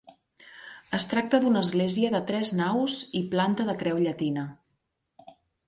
Es tracta d'una església de tres naus i planta de creu llatina.